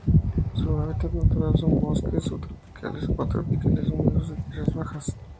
Su hábitat natural son: bosques subtropicales o tropicales húmedos de tierras bajas.